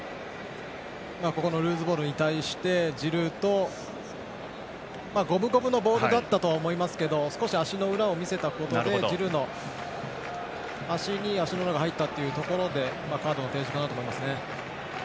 ルーズボールに対してジルーと五分五分のボールだったと思いますけど少し足の裏を見せたことでジルーの足に足の裏が入ったということでカードの提示かなと思いますね。